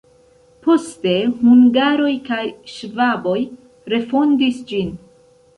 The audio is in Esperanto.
Poste hungaroj kaj ŝvaboj refondis ĝin.